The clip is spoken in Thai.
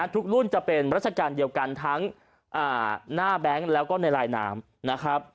รุ่นจะเป็นราชการเดียวกันทั้งหน้าแบงค์แล้วก็ในลายน้ำนะครับ